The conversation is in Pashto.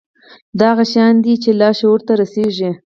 دا هغه شيان دي چې لاشعور ته رسېږي.